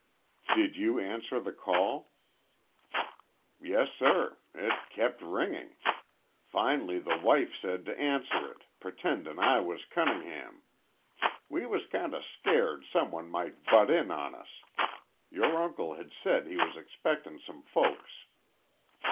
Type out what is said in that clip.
"Did you answer the call?" "Yes, sir. It kept ringing. Finally the wife said to answer it, pretendin' I was Cunningham. We was kinda scared some one might butt in on us. Yore uncle had said he was expectin' some folks."